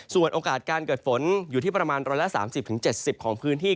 ส่วนโอกาสการเกิดฝนอยู่ที่ประมาณ๑๓๐๗๐ของพื้นที่